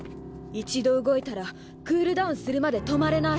一度動いたらクールダウンするまで止まれない。